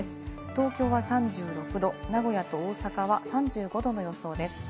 東京は３６度、名古屋と大阪は３５度の予想です。